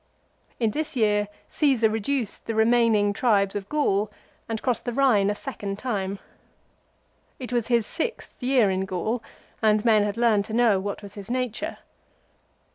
2 In this year Caesar reduced the remaining tribes of Gaul and crossed the Rhine a second time. It was his sixth year in Gaul, and men had learned to know what was his nature.